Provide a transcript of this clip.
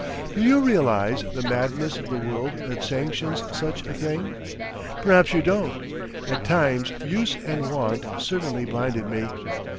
Do you realise the madness of the world that sanctions such a thing? Perhaps you don't. At times use and wont certainly blinded me.